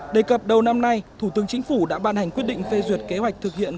đề cập đầu năm nay thủ tướng chính phủ đã ban hành quyết định phê duyệt kế hoạch thực hiện